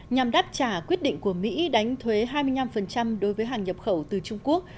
nhằm đáp trả quyết định của mỹ đánh thuế hai mươi năm đối với hàng nhập khẩu từ trung quốc